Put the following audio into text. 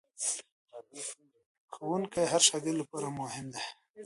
ښوونکی د هر شاګرد لپاره مهم دی.